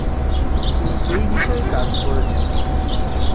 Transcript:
তিনি এই বিষয়ে কাজ করেছেন।